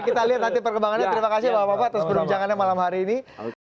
kita lihat nanti perkembangannya terima kasih bapak bapak atas perbincangannya malam hari ini